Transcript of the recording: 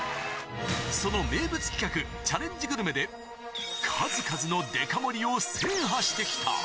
その名物企画、チャレンジグルメで、数々のデカ盛りを制覇してきた。